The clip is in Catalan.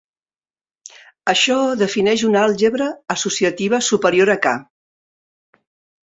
Això defineix una àlgebra associativa superior a "K".